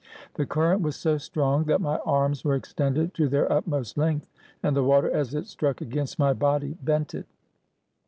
The current was so strong that my arms were extended to their utmost length, and the water, as it struck against my body, bent it.